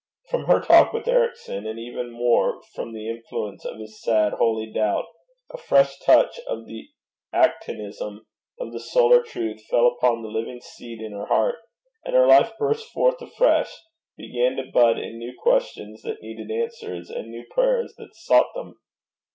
From her talk with Ericson, and even more from the influence of his sad holy doubt, a fresh touch of the actinism of the solar truth fell upon the living seed in her heart, and her life burst forth afresh, began to bud in new questions that needed answers, and new prayers that sought them.